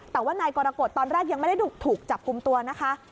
แต่ว่านายกรกฎตอนแรกยังไม่ได้ถูกจับกลุ่มตัวนะคะ